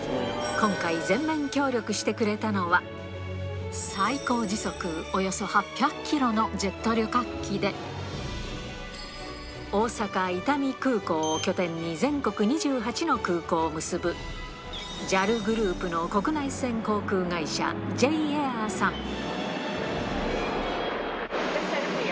今回、全面協力してくれたのは、最高時速およそ８００キロのジェット旅客機で、大阪、伊丹空港を拠点に全国２８の空港を結ぶ、ＪＡＬグループの国内線航空会社、ジェイエアさん。